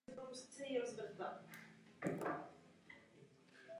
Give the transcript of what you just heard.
V průběhu desetiletí vyučoval na Vysoké škole výtvarných umění.